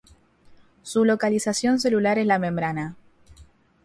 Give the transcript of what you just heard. Su localización celular es la membrana.